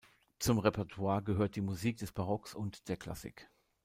Zum Repertoire gehört die Musik des Barocks und der Klassik.